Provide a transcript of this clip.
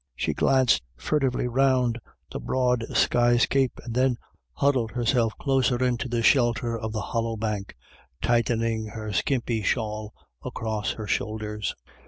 She glanced furtively round the broad sky scape, and then huddled herself closer into the shelter of the hollow bank, tightening her skimpy shawl across her shoulders.